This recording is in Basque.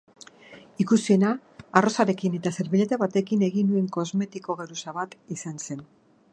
Ikusiena arrozarekin eta serbileta batekin egin nuen kosmetiko-geruza bat izan zen.